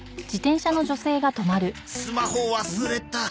あっスマホ忘れた。